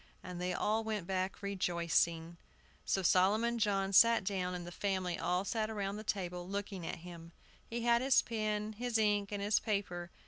And they all went back rejoicing. So Solomon John sat down, and the family all sat round the table looking at him. He had his pen, his ink, and his paper.